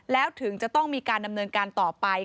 แล้วถึงจะต้องมีการดำเนินการต่อไป